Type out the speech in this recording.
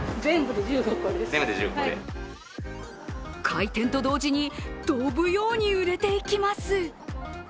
開店と同時に飛ぶように売れていきます。